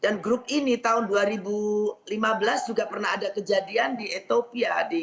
grup ini tahun dua ribu lima belas juga pernah ada kejadian di etopia